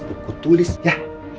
buku tulis ya